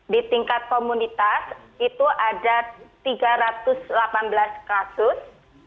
di tingkat komunitas itu ada tiga ratus delapan belas kasus